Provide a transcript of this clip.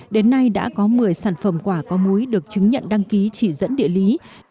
đến nay đã có một mươi sản phẩm quả có múi được chứng nhận đăng ký chỉ dẫn địa lý